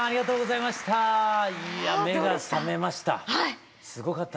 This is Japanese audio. いや目が覚めました。